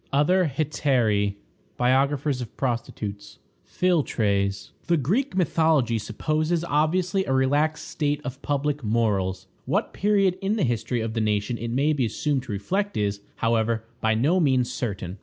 Other Hetairæ. Biographers of Prostitutes. Philtres. The Greek mythology supposes obviously a relaxed state of public morals. What period in the history of the nation it may be assumed to reflect is, however, by no means certain.